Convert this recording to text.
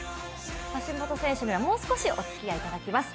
橋本選手にはもう少しおつきあいいただきます。